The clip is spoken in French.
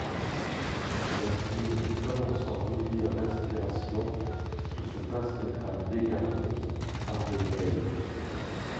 Delphine Comme on sent bouillir l'inspiration sous ce vaste crâne … dégarni par les veilles !